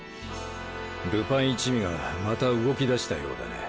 ルパン一味がまた動きだしたようだね。